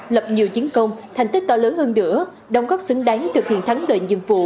lập nhiều chiến công thành tích to lớn hơn nữa đồng góp xứng đáng thực hiện thắng lợi nhiệm vụ